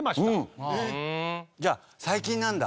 じゃあ最近なんだ。